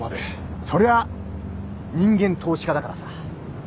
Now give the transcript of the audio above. そりゃあ人間投資家だからさ。